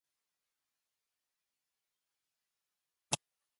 Four years later it was expanded to a complete three-year training program.